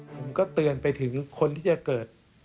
ผมก็เตือนไปถึงคนที่จะเกิด